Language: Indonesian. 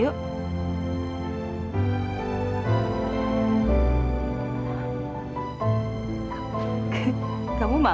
aku buke pa